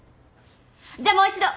じゃあもう一度。